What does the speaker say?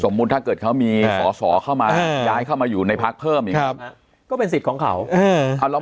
สมมุติถ้าเกิดเขามีฝ่าสธาสนในพักเพิ่มอย่างนั้น